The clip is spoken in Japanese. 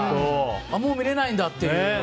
もう見れないんだって。